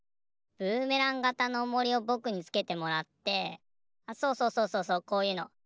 ブーメランがたのおもりをぼくにつけてもらってあっそうそうそうそうそうこういうの。